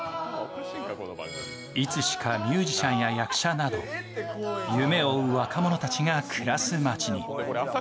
いつしかミュージシャンや役者など夢を追う若者たちが暮らす街に。